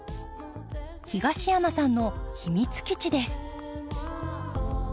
東山さんの秘密基地です。